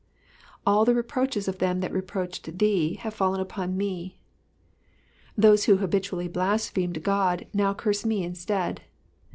^'And the reproaches of them that reproached thee have fallen upon me.'''' Those who habitually blasphemed God now curse me instead.